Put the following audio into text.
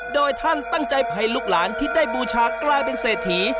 โดยท่านตั้งใจภัยลูกหลานที่ได้บูชากลายเป็นเศรษฐี